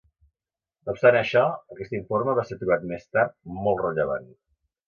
No obstant això, aquest informe va ser trobat més tard molt rellevant.